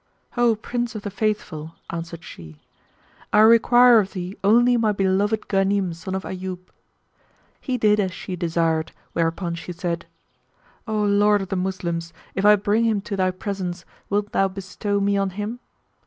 "O Prince of the Faithful!", answered she, "I require of thee only my beloved Ghanim son of Ayyub." He did as she desired, whereupon she said, "O Lord of the Moslems, if I bring him to thy presence, wilt thou bestow me on him?"